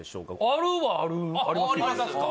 あるはあるあっありますか？